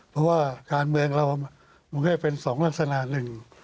เพราะว่าการเมืองเรามันก็จะเป็นสองลักษณะหนึ่ง